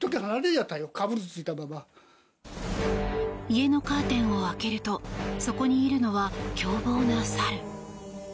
家のカーテンを開けるとそこにいるのは凶暴な猿。